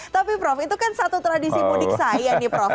tapi prof itu kan satu tradisi mudik saya nih prof